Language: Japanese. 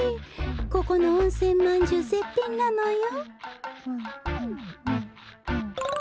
ここのおんせんまんじゅうぜっぴんなのよ。